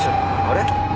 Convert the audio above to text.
あれ？